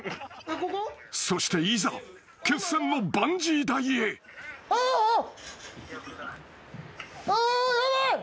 ［そしていざ決戦のバンジー台へ］あーっ！？